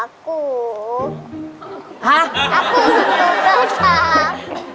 อักกู่ครับ